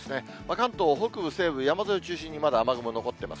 関東北部、西部、山沿いを中心に、まだ雨雲残っています。